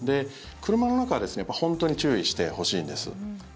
車の中は本当に注意してほしいんです。